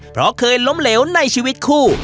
เพราะเคยล้มเหลวในชีวิตคู่